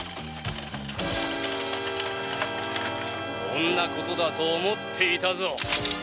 こんな事だと思っていたぞ。